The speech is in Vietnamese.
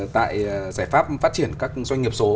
tại giải pháp phát triển các doanh nghiệp số